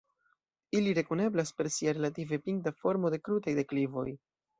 Ili rekoneblas per sia relative pinta formo de krutaj deklivoj.